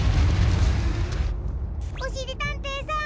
おしりたんていさん